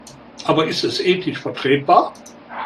Aber ist es ethisch vertretbar?